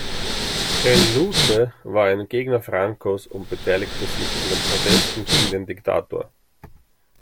El Lute war ein Gegner Francos und beteiligte sich an Protesten gegen den Diktator.